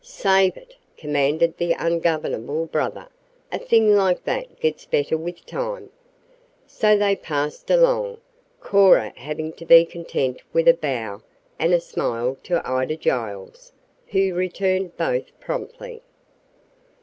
"Save it," commanded the ungovernable brother. "A thing like that gets better with time." So they passed along, Cora having to be content with a bow and a smile to Ida Giles, who returned both promptly.